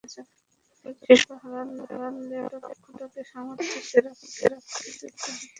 শেষ পর্যন্ত হারলেও লক্ষ্যটাকে সার্মথ্যের সীমার মধ্যে রাখার কৃতিত্ব দিতে হবে বাংলাদেশি বোলারদের।